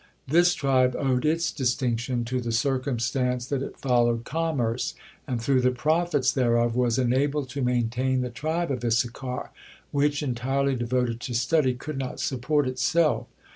This tribe owed its distinction to the circumstance that it followed commerce and through the profits thereof was enabled to maintain the tribe of Issachar, which, entirely devoted to study, could not support itself.